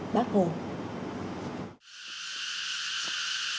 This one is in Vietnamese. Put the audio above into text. điều hành động của bác hồ